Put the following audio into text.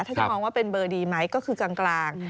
ถ้าจะมองว่าเป็นเบอร์ดีไหมก็คือกลาง